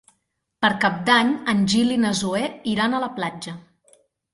Per Cap d'Any en Gil i na Zoè iran a la platja.